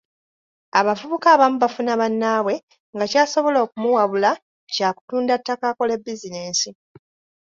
Abavubuka abamu bafuna bannaabwe nga ky’asobola okumuwabula kya kutunda ttaka akole bizinensi.